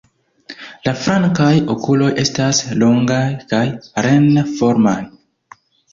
La flankaj okuloj estas longaj kaj ren-formaj.